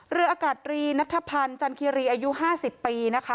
เรืออากาศรีนัทธพันธ์จันคิรีอายุ๕๐ปีนะคะ